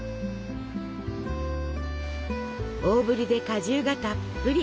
大ぶりで果汁がたっぷり。